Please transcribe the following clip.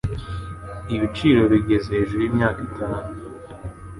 Ibiciro bigeze hejuru yimyaka itanu .